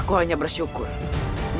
saya hanya ibu mu itu saja yang satu